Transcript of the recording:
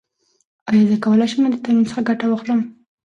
ایا زه کولی شم له دې تمرین څخه ګټه واخلم؟